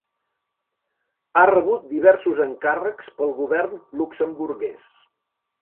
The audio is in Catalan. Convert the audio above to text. Ha rebut diversos encàrrecs pel Govern luxemburguès.